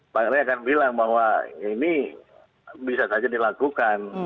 pak rey akan bilang bahwa ini bisa saja dilakukan